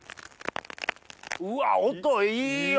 うわっ音いいよ！